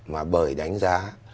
mà bởi đánh giá